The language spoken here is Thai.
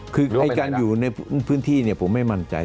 คือการอยู่ในพื้นที่ผมไม่มั่นใจ